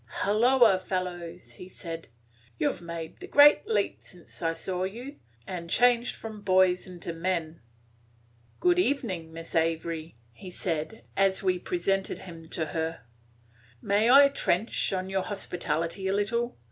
"Hulloa, fellows!" he said, "you 've made the great leap since I saw you, and changed from boys into men." "Good evening, Miss Avery," he said, as we presented him to her. "May I trench on your hospitality a little?